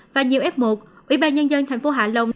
và nhiều f một ủy ban nhân dân thành phố hạ long